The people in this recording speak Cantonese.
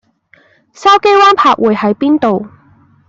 筲箕灣柏匯喺邊度？